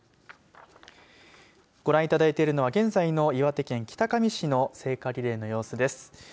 ご覧いただいているのは現在の岩手県北上市の聖火リレーの様子です。